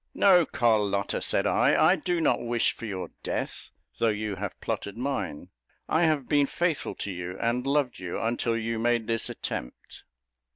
"No, Carlotta," said I; "I do not wish for your death, though you have plotted mine. I have been faithful to you, and loved you, until you made this attempt."